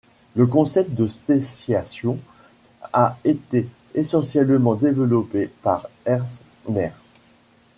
Le concept de spéciation a été essentiellement développé par Ernst Mayr.